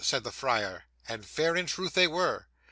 said the friar; and fair in truth they were.